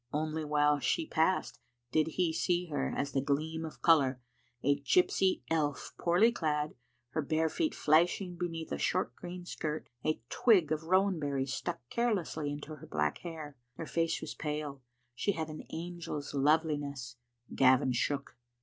Only while she passed did he see her as a gleam of colour, a gypsy elf poorly clad, her bare feet flashing beneath a short green skirt, a twig of rowan berries stuck carelessly into her black hair. Her face was pale. She had an angel's loveli ness. Gavin shook.